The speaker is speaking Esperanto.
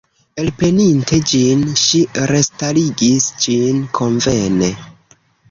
Elpreninte ĝin, ŝi restarigis ĝin konvene.